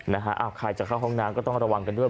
เดี๋ยวเข้าห้องน้ำก็ต้องระวังกันด้วย